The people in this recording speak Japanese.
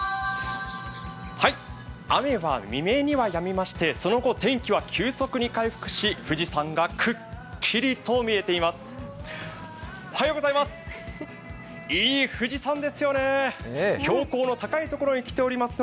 雨は未明にはやみまして、その後、天気は急速に回復し富士山がくっきりと見えています。